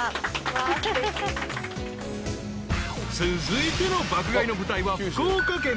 ［続いての爆買いの舞台は福岡県］